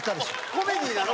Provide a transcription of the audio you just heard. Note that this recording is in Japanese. コメディーなの？